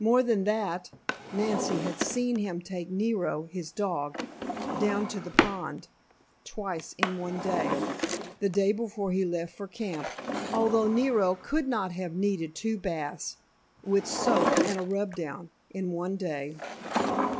More than that, Nancy had seen him take Nero, his dog, down to the pond twice in one day, the day before he left for camp, although Nero could not have needed two baths, with soap and a rub down, in one day.